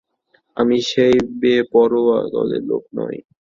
আমি সেই বেপরোয়া দলের লোক নই।